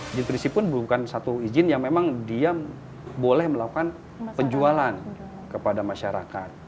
izin prinsip pun bukan satu izin yang memang dia boleh melakukan penjualan kepada masyarakat